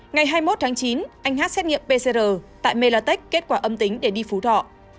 ngày hai mươi một tháng chín anh hát xét nghiệm pcr tại melatech kết quả âm tính để đi phú thọ